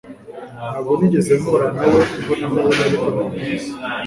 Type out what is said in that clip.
Ntabwo nigeze mpura nawe imbonankubone ariko ndamuzi